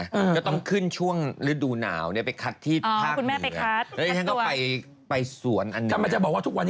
ก็ต้องขึ้นช่วงฤดูหนาวไปคัดที่ภาคเหนือ